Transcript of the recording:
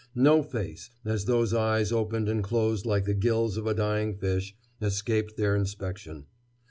No face, as those eyes opened and closed like the gills of a dying fish, escaped their inspection.